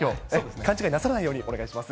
勘違いなさらないようにお願いします。